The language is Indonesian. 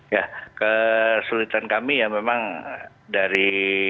ya kesulitan kami ya memang dari